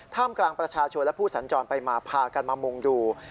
กลางประชาชนและผู้สัญจรไปมาพากันมามุ่งดู